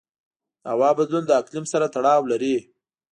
د هوا بدلون د اقلیم سره تړاو لري.